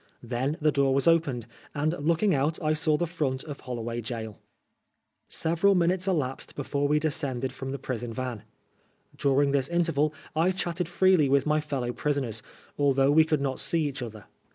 Then the door was opened, and looking out I saw the front of HoUoway Gaol. Several minutes elapsed before we descended from the prison van. During this interval I chatted freely with my fellow prisoners, although we could not see «ach other.